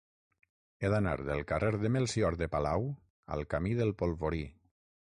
He d'anar del carrer de Melcior de Palau al camí del Polvorí.